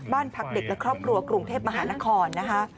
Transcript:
บ้านพักเด็กและครอบครัวกรุงเทพมหานครนะคะ